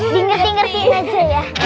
di ngerti ngertiin aja ya